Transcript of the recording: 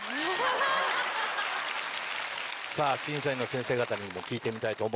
さぁ審査員の先生方にも聞いてみたいと思います。